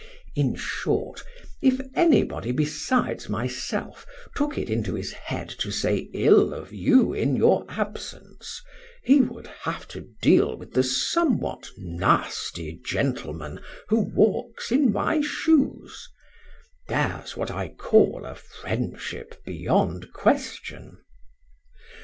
In short, if anybody besides myself took it into his head to say ill of you in your absence, he would have to deal with the somewhat nasty gentleman who walks in my shoes there's what I call a friendship beyond question.